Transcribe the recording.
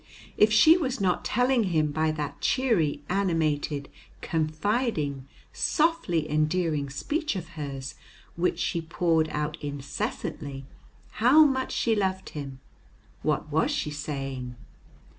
If she was not telling him by that cheery, animated, confiding, softly endearing speech of hers, which she poured out incessantly, how much she loved him, what was she saying?